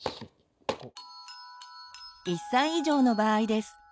１歳以上の場合です。